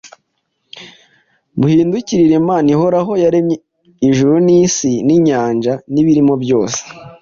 muhindukirire Imana ihoraho, yaremye ijuru n’isi n’inyanja n’ibirimo byose;